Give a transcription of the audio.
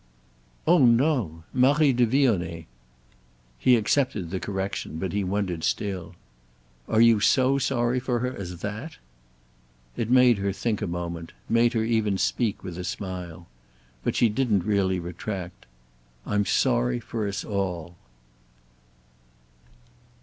"Oh no. Marie de Vionnet." He accepted the correction, but he wondered still. "Are you so sorry for her as that?" It made her think a moment—made her even speak with a smile. But she didn't really retract. "I'm sorry for us all!"